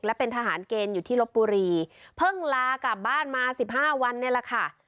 และเป็นทหารเกณฑ์อยู่ที่ลบบุรีเพิ่งลากลับบ้านมาสิบห้าวันเนี่ยแหละค่ะ